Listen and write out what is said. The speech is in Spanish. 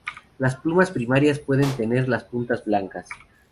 La plumas primarias pueden tener las puntas blancas.